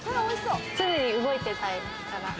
常に動いてたい。